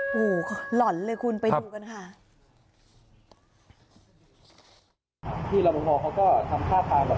โอ้โหหล่อนเลยคุณไปดูกันค่ะ